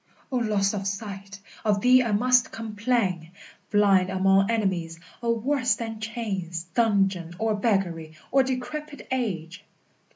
O loss of sight, of thee I must complain! Blind among enemies, O, worse than chains, Dungeon, or beggary, or decrepit age!